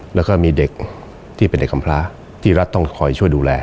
แล้วก็มีเด็กที่เป็นเด็กกำพลาที่รัฐต้องคอยช่วยดูแล